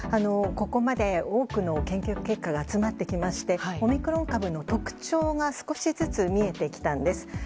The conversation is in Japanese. ここまで多くの研究結果が集まってきましてオミクロン株の特徴が少しずつ見えてきたんです。